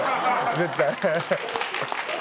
絶対。